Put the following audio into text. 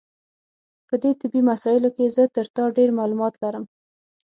په دې طبي مسایلو کې زه تر تا ډېر معلومات لرم.